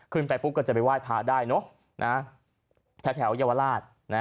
ขึ้นไปปุ๊บก็จะไปไหว้พระได้เนอะแถวเยาวราช